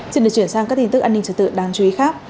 chuyện này chuyển sang các tin tức an ninh trở tựa đáng chú ý khác